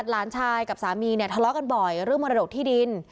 หลานชายกับสามีเนี่ยทะเลาะกันบ่อยเรื่องมรดกที่ดิน